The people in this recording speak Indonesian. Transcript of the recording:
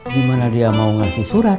gimana dia mau ngasih surat